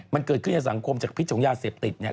มันเกิดขึ้นในสังคมจากพิษของยาเสพติดเนี่ย